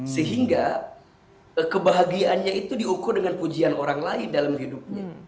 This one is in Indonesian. sehingga kebahagiaannya itu diukur dengan pujian orang lain dalam hidupnya